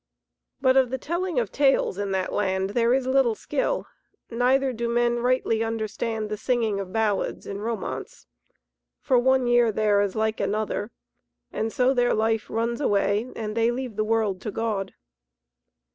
But of the telling of tales in that land there is little skill, neither do men rightly understand the singing of ballads and romaunts. For one year there is like another, and so their life runs away, and they leave the world to God.